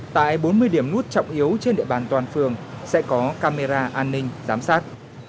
tại bốn mươi điểm nút trọng yếu trên địa bàn toàn phường sẽ có camera an ninh giám sát